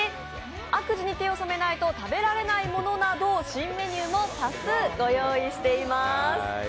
「悪事に手を染めないと食べられないモノ」など新メニューも多数ご用意しています。